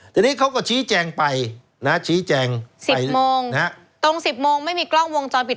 ทีนี้เขาก็ชี้แจงไปนะชี้แจง๑๐โมงตรง๑๐โมงไม่มีกล้องวงจรปิด